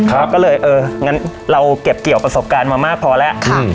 ก็เลยเอองั้นเราเก็บเกี่ยวประสบการณ์มามากพอแล้ว